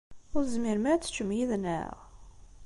Ur tezmirem ara ad teččem yid-neɣ?